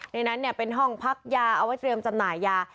ในนั้นเป็นห้องพักยาเอาไว้เตรียมจำหน่ายยา